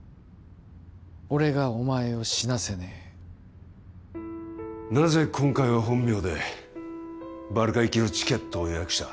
俺がお前を死なせねえなぜ今回は本名でバルカ行きのチケットを予約した？